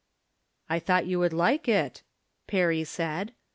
" "I thought you would like it," Perry said.